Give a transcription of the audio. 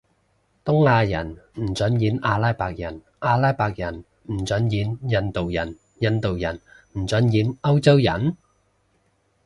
東亞人唔准演阿拉伯人，阿拉伯人唔准演印度人，印度人唔准演歐洲人？